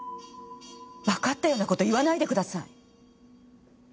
わかったような事言わないでください。